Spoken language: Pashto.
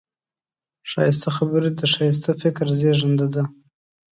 ښایسته خبرې د ښایسته فکر زېږنده ده